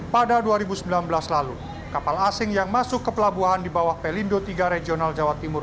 pada dua ribu sembilan belas lalu kapal asing yang masuk ke pelabuhan di bawah pelindo tiga regional jawa timur